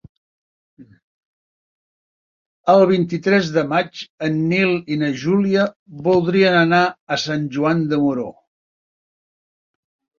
El vint-i-tres de maig en Nil i na Júlia voldrien anar a Sant Joan de Moró.